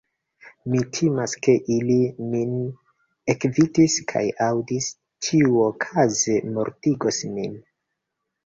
Mi timas, ke ili min ekvidis kaj aŭdis; tiuokaze mortigos nin.